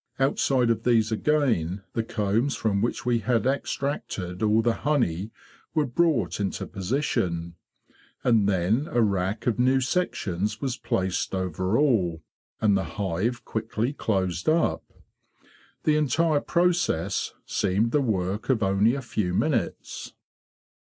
Outside of these again the combs from which we had extracted all the honey were brought into position. And then a rack of new sections was placed over all, and the hive quickly closed up. The entire process seemed the work of only a few minutes.